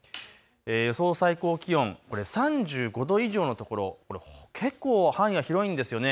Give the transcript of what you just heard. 予想最高気温、３５度以上の所、結構範囲が広いんですよね。